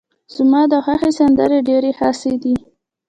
زما ده خوښې سندرې ډيرې خاصې دي.